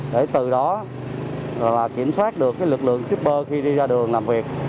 để từ đó kiểm soát được lực lượng shipper khi đi ra đường làm việc